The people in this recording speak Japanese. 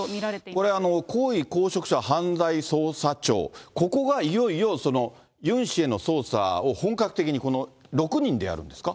これ、高位公職者犯罪捜査庁、ここがいよいよユン氏への捜査を本格的に、６人でやるんですか。